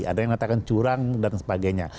ada yang mengatakan curang dan sebagainya